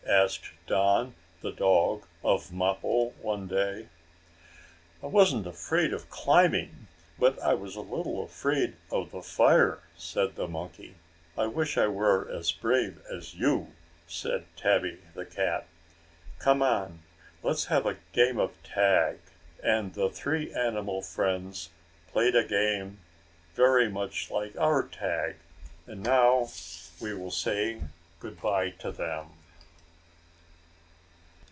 asked Don the dog of Mappo, one day. "I wasn't afraid of climbing, but I was a little afraid of the fire," said the monkey. "I wish I were as brave as you," said Tabby, the cat. "Come on, let's have a game of tag." And the three animal friends played a game very much like our tag; and now we will say good by to them.